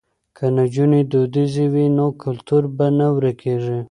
که نجونې دودیزې وي نو کلتور به نه ورکيږي.